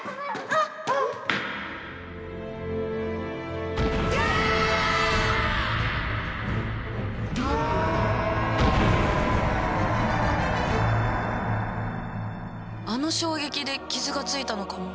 あの衝撃で傷がついたのかも。